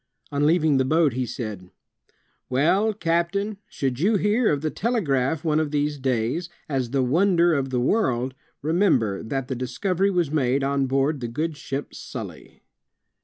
On leaving the boat he said, "Well, captain, should you hear of the telegraph one of these days, as the wonder of the world, remember that the discovery was made on board the good ship StMy.''